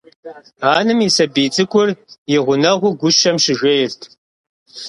Анэм и сабий цӀыкӀур и гъунэгъуу гущэм щыжейрт.